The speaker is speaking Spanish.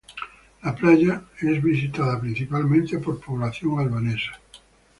La playa es visitada principalmente por población albanesa.